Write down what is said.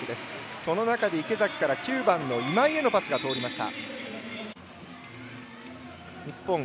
その中で、９番の今井へのパスが通りました。